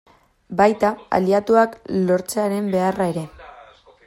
Baita, aliatuak lortzearen beharra ere.